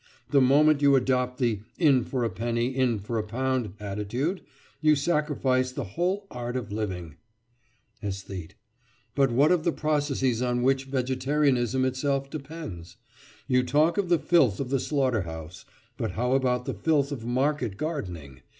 The moment you adopt the "in for a penny, in for a pound" attitude, you sacrifice the whole art of living. ÆSTHETE: But what of the processes on which vegetarianism itself depends? You talk of the filth of the slaughter house; but how about the filth of market gardening?